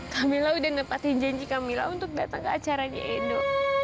camilla udah nempatin janji camilla untuk datang ke acaranya edo